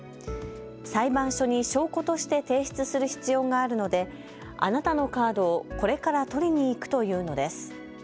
裁判所に証拠として提出する必要があるのであなたのカードをこれから取りに行くと言うのです。